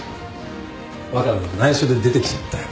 若菜に内緒で出てきちゃったよ。